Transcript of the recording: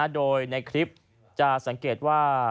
โดยในคลิปจะสังเกตว่า